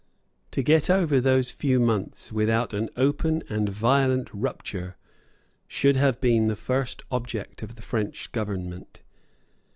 To get over those few months without an open and violent rupture should have been the first object of the French government.